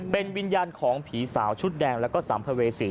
เป็นวิญญาณของผีสาวชุดแดงแล้วก็สัมภเวษี